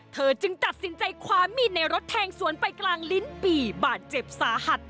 เธอจึงตัดสินใจคว้ามีดในรถแทงสวนไปกลางลิ้นปี่บาดเจ็บสาหัส